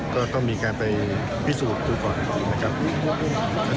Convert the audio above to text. ก็ต้องมีการไปพิสูจน์ดูก่อนนะครับ